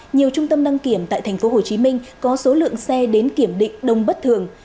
nhiều trung tâm đăng kiểm tại tp hcm có số lượng xe đến kiểm định đông bất thường